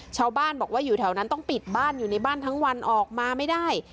ชาวบ้านบอกว่าอยู่แถวนั้นต้องปิดบ้านอยู่ในบ้านทั้งวันออกมาไม่ได้